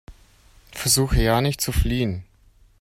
Versuche ja nicht zu fliehen!